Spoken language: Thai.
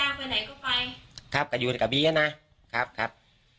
ก็คือใครจ้างไปไหนก็ไปครับก็อยู่กับบีนะครับครับ